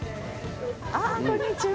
あっこんにちは。